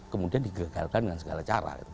kemudian digagalkan dengan segala cara